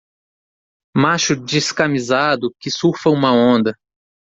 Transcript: Macho descamisado que surfa uma onda.